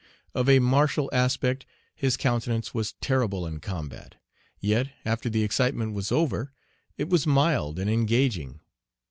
Of a martial Page 68 aspect, his countenance was terrible in combat; yet, after the excitement was over, it was mild and engaging.